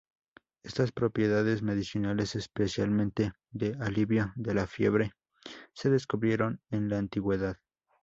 Estas propiedades medicinales, especialmente el alivio de la fiebre, se descubrieron en la antigüedad.